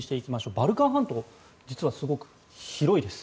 バルカン半島実はすごく広いです。